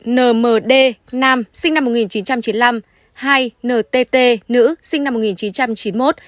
nmd nam sinh năm một nghìn chín trăm chín mươi năm hai ntt nữ sinh năm một nghìn chín trăm chín mươi một